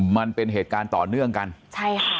มันเป็นเหตุการณ์ต่อเนื่องกันใช่ค่ะ